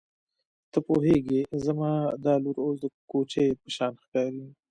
ته پوهېږې زما دا لور اوس د کوچۍ په شان ښکاري.